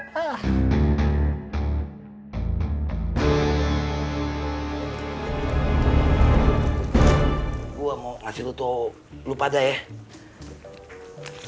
saya mau kasih tahu kepada kamu